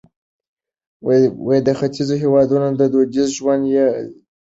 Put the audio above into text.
د ختیځو هېوادونو دودیز ژوند یې څېړلی.